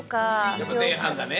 やっぱ前半だね。